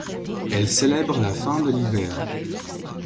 Elle célèbre la fin de l'hiver.